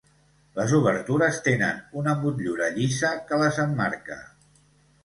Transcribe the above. Les obertures tenen una motllura llisa que les emmarca.